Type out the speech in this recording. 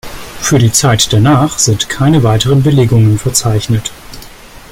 Für die Zeit danach sind keine weiteren Belegungen verzeichnet.